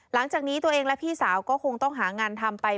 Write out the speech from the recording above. หลังจากนี้ตัวเองและพี่สาวก็คงต้องหางานทำไป